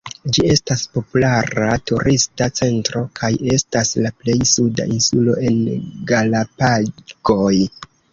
Ĝi estas populara turista centro, kaj estas la plej suda insulo en Galapagoj.